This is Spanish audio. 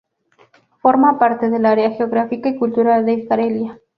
Forma parte del área geográfica y cultural de Carelia.